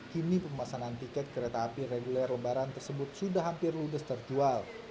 kini pemasanan tiket kereta api reguler lebaran tersebut sudah hampir ludes terjual